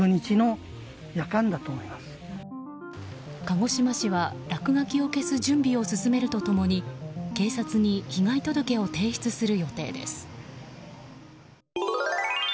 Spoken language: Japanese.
鹿児島市は落書きを消す準備を進めると共に警察に被害届を提出する予定です。